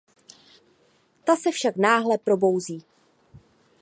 Ta se však náhle probouzí.